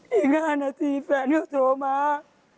กี่ห้านนาทีแฟนเขาโทรมา